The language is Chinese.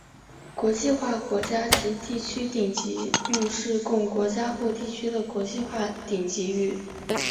国际化国家及地区顶级域是供国家或地区的国际化顶级域。